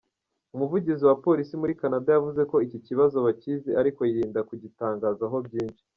Umuvugizi wa Polisi muri Canada yavuze ko iki kibazo bakizi ariko yirinda kugitangazaho byinshi.